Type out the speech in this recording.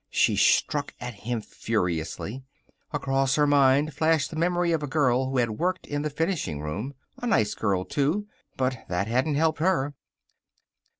She struck at him furiously. Across her mind flashed the memory of a girl who had worked in the finishing room. A nice girl, too. But that hadn't helped her.